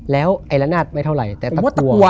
แล้วไอ้ละนาดไม่เท่าไหร่แต่ตัดตัว